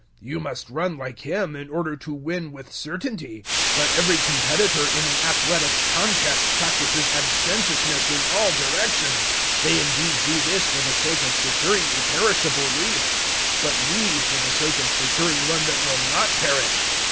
You must run like him, in order to win with certainty. 009:025 But every competitor in an athletic contest practices abstemiousness in all directions. They indeed do this for the sake of securing a perishable wreath, but we for the sake of securing one that will not perish.